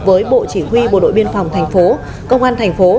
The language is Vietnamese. với bộ chỉ huy bộ đội biên phòng thành phố công an thành phố